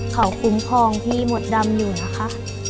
เขาคุ้มครองพี่มดดำอยู่นะคะ